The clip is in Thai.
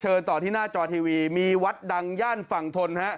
ต่อที่หน้าจอทีวีมีวัดดังย่านฝั่งทนฮะ